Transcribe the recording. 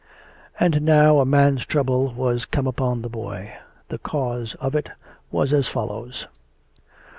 And now a man's trouble was come upon the boy. The cause of it was as follows.